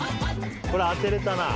これ当てられたな。